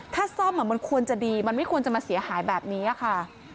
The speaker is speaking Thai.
ถ้าซ่อมมันควรจะดีมันไม่ควรจะมาเสียหายแบบนี้ค่ะ